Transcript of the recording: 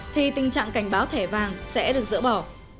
thì tình trạng cảnh báo thẻ vàng sẽ được dỡ bỏ